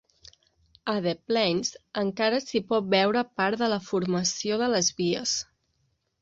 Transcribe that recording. A The Plains encara s'hi pot veure part de la formació de les vies.